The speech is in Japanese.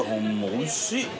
おいしい。